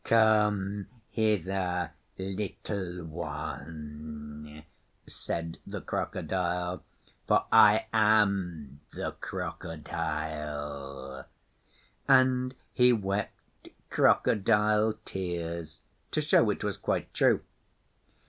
'Come hither, Little One,' said the Crocodile, 'for I am the Crocodile,' and he wept crocodile tears to show it was quite true.